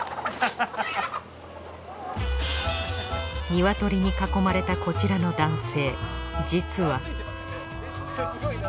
ニワトリに囲まれたこちらの男性。